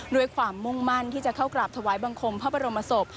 ด้วยความมุ่งมั่นที่จะเข้ากราบถวายบังคมพระบรมศพ